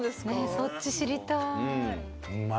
そっち知りたい。